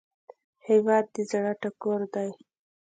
هیواد د زړه ټکور دی